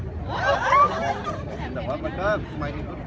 แม่กับผู้วิทยาลัย